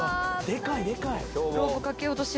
でかいでかい」